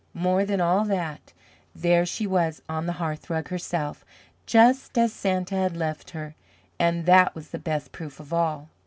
More than all that, there she was on the hearth rug herself, just as Santa had left her, and that was the best proof of all.